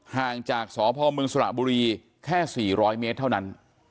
ห่างจากสพมสระบุรีแค่๔๐๐เมตรเท่านั้น